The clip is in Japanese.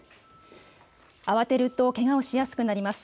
慌てるとけがをしやすくなります。